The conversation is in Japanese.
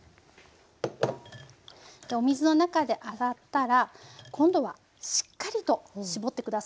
お水の中で洗ったら今度はしっかりと絞って下さい。